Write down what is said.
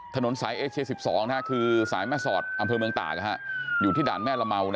ถนนสายเอเชีย๑๒คือสายแม่สอดอำเภอเมืองตากอยู่ที่ด่านแม่ละเมา